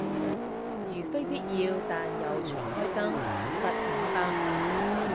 如非必要但又長開燈，罰五百